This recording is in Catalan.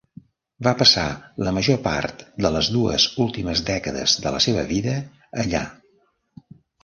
Va passar la major part de les dues últimes dècades de la seva vida allà.